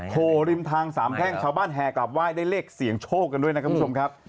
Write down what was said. โหริมทางสามแพ่งชาวบ้านแห่กลับไห้ได้เลขเสี่ยงโชคกันด้วยนะครับคุณผู้ชมครับ